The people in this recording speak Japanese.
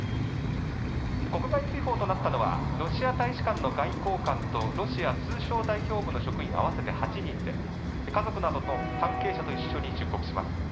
国外追放となったのはロシア大使館の外交官とロシア通商代表部の職員合わせて８人で家族などと関係者と一緒に出国します。